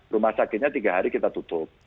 rumah sakitnya tiga hari kita tutup